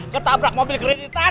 ketabrak mobil keretitan